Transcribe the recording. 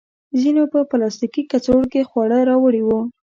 ځینو په پلاستیکي کڅوړو کې خواړه راوړي وو.